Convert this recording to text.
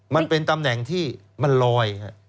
มันเป็นตำแหน่งที่มันลอย